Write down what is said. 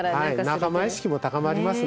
仲間意識も高まりますね。